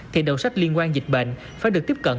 thì đầu sách liên quan dịch bệnh phải được tiếp cận